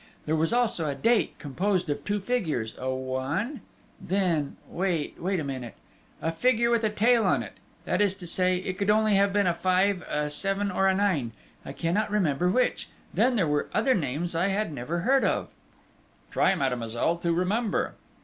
There was also a date, composed of two figures a 1 ... then wait a minute!... a figure with a tail to it ... that is to say, it could only have been a 5, a 7, or a 9.... I cannot remember which. Then there were other names I had never heard of." "Try, mademoiselle, to remember...."